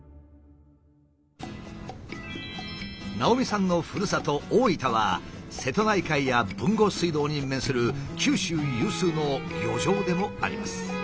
直見さんのふるさと大分は瀬戸内海や豊後水道に面する九州有数の漁場でもあります。